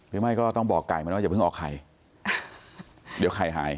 ไม่ต้องบอกไก่มันว่าอย่าเพิ่งออกไข่เดี๋ยวไข่หาย